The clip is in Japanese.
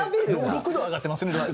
６度上がってますね。